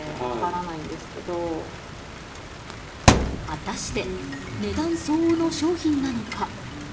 果たして値段相応の商品なのか。